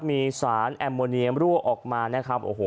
มีสารแอมโมเนียมรั่วออกมานะครับโอ้โห